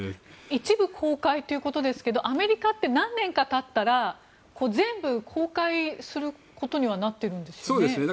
一部公開ということですがアメリカって何年かたったら全部公開することにはなってるんですよね？